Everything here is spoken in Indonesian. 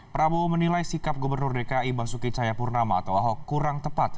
prabowo menilai sikap gubernur dki basuki cahayapurnama atau ahok kurang tepat